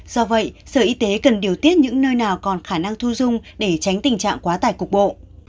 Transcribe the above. do vậy sở y tế cần điều tiết những nơi nào còn khả năng thu dung để tránh tình trạng quá tải cục bộ